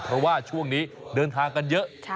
เพราะว่าช่วงนี้เดินทางกันเยอะ